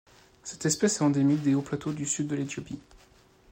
Cette espèce est endémique des hauts plateaux du Sud de l'Éthiopie.